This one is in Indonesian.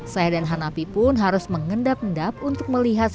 saya dan hanapi pun harus mengendap endap untuk melihat